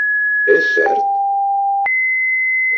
És cert?